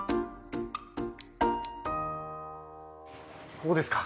ここですか。